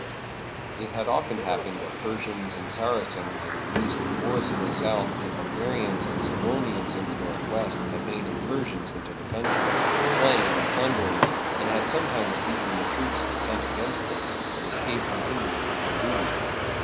It had often happened that Persians and Saracens in the east, Moors in the south, and Bulgarians and Sla vonians in the northwest had made incursions into the coimtry, slaying and plundering, and had sometimes beaten the troops sent against them, and escaped unhin dered with their booty.